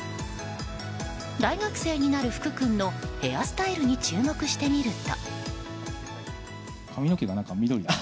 大学生になる福君のヘアスタイルに注目してみると。